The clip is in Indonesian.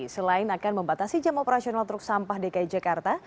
selain akan membatasi jam operasional truk sampah dki jakarta